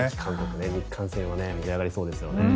日韓戦は盛り上がりそうですね。